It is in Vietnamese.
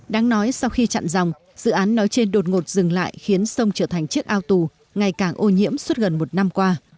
đáng nói sau khi chặn dòng dự án nói trên đột ngột dừng lại khiến sông trở thành chiếc ao tù ngày càng ô nhiễm suốt gần một năm qua